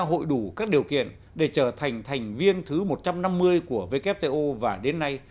cơ hội đủ các điều kiện để trở thành thành viên thứ một trăm năm mươi của wto và đến nay